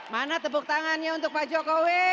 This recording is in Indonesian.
mana tepuk tangannya untuk pak jokowi